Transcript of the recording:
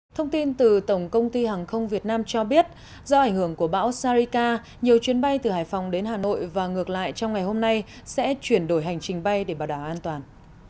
thông tin từ tổng công ty hàng không việt nam cho biết do ảnh hưởng của bão sarika nhiều chuyến bay từ hải phòng đến hà nội và ngược lại trong ngày hôm nay sẽ chuyển đổi hành trình bay để bảo đảm an toàn